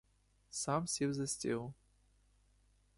Сам сів за стіл.